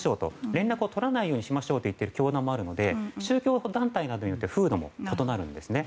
連絡を取らないようにしましょうと言っている教団もあるので宗教団体などによって風土も異なるんですね。